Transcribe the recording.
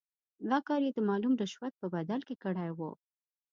دا کار یې د معلوم رشوت په بدل کې کړی وو.